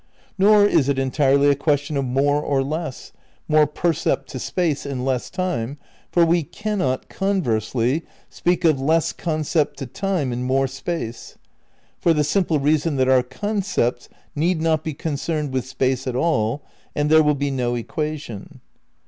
Nor is it entirely a question of more or less, more percept to space in less time, for we cannot, con versely, speak of less concept to time in more space, for the simple reason that our concepts need not be concerned with space at all and there will be no equa tion.